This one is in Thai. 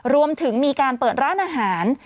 รวมถึงมีการเปิดร้านอาหาร